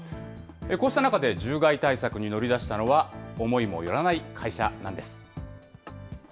こうした中で獣害対策に乗り出したのは、思いもよらない会社なんです。